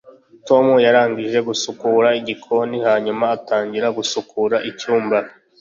tom yarangije gusukura igikoni hanyuma atangira gusukura icyumba